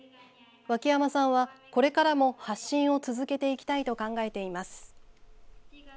脇山さんはこれからも発信を続けていきたいと考えています。